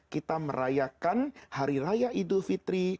kita merayakan hari raya idul fitri